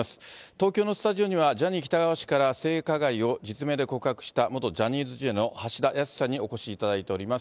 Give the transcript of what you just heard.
東京のスタジオには、ジャニー喜多川氏から性加害を実名で告白した元ジャニーズＪｒ．の橋田康さんにお越しいただいております。